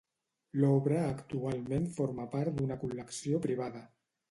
L'obra actualment forma part d'una col·lecció privada.